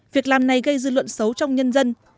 việc làm này gây dư luận xấu trong nhân dân